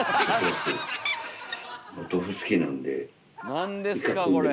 何ですかこれ！